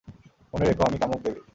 মনে রেখ আমি কামুক দেবী।